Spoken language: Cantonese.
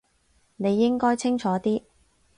你應該清楚啲